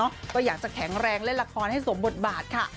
ก็อยากจะแข็งแรงเล่นละครให้สมบทบาทค่ะ